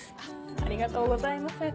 ありがとうございます。